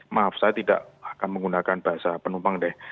maaf saya tidak akan menggunakan bahasa penumpang deh